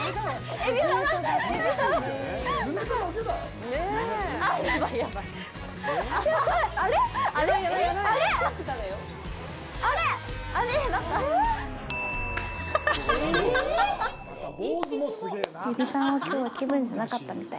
エビさんはきょうは気分じゃなかったみたい。